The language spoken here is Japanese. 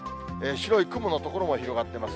白い雲の所も広がっています。